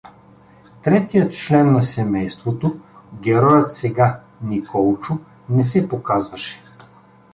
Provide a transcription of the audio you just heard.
Третият член на семейството — героят сега — Николчо — не се показваше.